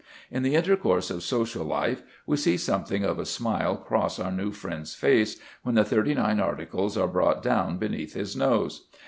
In the intercourse of social life we see something of a smile cross our new friend's face when the thirty nine articles are brought down beneath his nose.